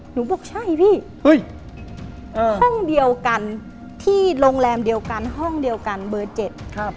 หนูบอกใช่พี่เฮ้ยห้องเดียวกันที่โรงแรมเดียวกันห้องเดียวกันเบอร์เจ็ดครับ